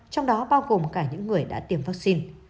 trong đó bao gồm cả những người đã tiêm vaccine